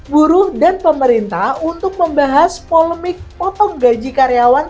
buruh dan pemerintah untuk membahas polemik potong gaji karyawan